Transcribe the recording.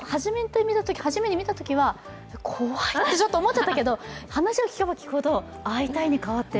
始めて見たときは怖いってちょっと思っちゃったけど話を聞けば聞くほど、合いたいに変わってる。